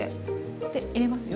で入れますよ。